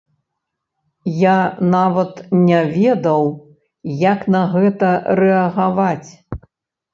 Я нават не ведаў, як на гэта рэагаваць.